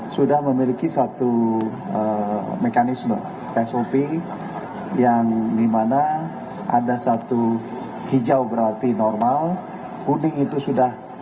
sudah memiliki satu mekanisme sop yang dimana ada satu hijau berarti normal kuning itu sudah